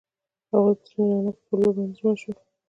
هغوی په سپین رڼا کې پر بل باندې ژمن شول.